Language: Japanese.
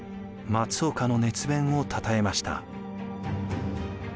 松岡の熱弁をたたえました。